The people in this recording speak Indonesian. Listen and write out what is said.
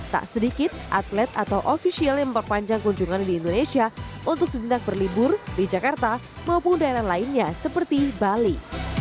tak sedikit atlet atau ofisial yang memperpanjang kunjungan di indonesia untuk sejenak berlibur di jakarta maupun daerah lainnya seperti bali